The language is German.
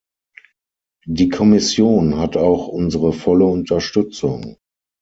Die Kommission hat auch unsere volle Unterstützung.